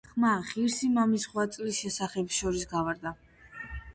ხმა ღირსი მამის ღვაწლის შესახებ შორს გავარდა.